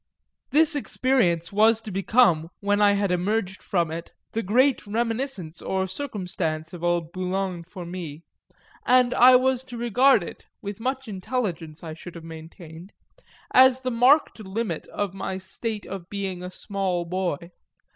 This experience was to become when I had emerged from it the great reminiscence or circumstance of old Boulogne for me, and I was to regard it, with much intelligence, I should have maintained, as the marked limit of my state of being a small boy.